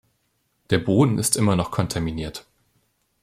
Der Boden ist immer noch kontaminiert.